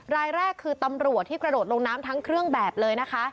รายแรกคือตำรวจที่กระโดดลงน้ำทั้งเครื่องแบบเลยนะคะ